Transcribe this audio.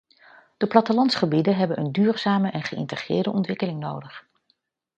De plattelandsgebieden hebben een duurzame en geïntegreerde ontwikkeling nodig.